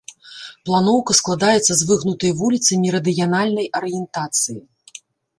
Планоўка складаецца з выгнутай вуліцы мерыдыянальнай арыентацыі.